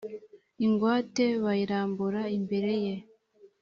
ingwate bayirambura imbere ye